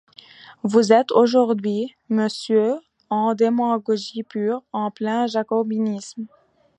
Vous êtes aujourd’hui, monsieur, en démagogie pure, en plein jacobinisme.